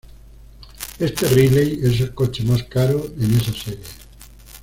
Este Riley es el coche más caro en esa serie.